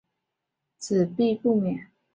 子必不免。